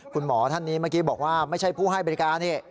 คุณหมอท่านนี้เมื่อกี้บอกว่าไม่ใช่ผู้ให้บริการนี่